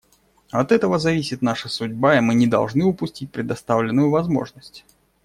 От этого зависит наша судьба, и мы не должны упустить предоставленную возможность.